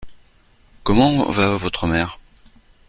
Comment va votre mère ?